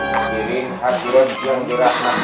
sendirian hadirat jum'at allah